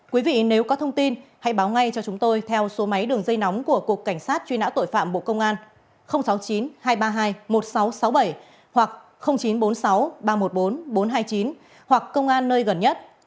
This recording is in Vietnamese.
quý vị nếu có thông tin hãy báo ngay cho chúng tôi theo số máy đường dây nóng của cục cảnh sát truy nã tội phạm bộ công an sáu mươi chín hai trăm ba mươi hai một nghìn sáu trăm sáu mươi bảy hoặc chín trăm bốn mươi sáu ba trăm một mươi bốn bốn trăm hai mươi chín hoặc công an nơi gần nhất